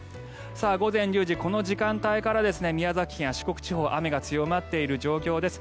午前１０時、この時間帯から宮崎県や四国地方は雨が強まっている状況です。